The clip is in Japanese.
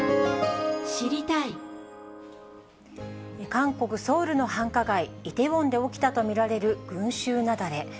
韓国・ソウルの繁華街、イテウォンで起きたと見られる群衆雪崩。